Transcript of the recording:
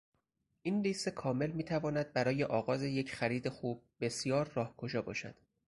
این لیست کامل می تواند برای آغاز یک خرید خوب، بسیار راهگشا باشد.